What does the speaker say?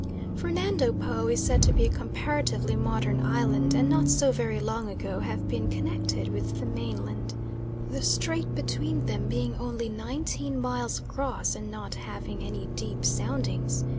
Fernando Po is said to be a comparatively modern island, and not so very long ago to have been connected with the mainland, the strait between them being only nineteen miles across, and not having any deep soundings.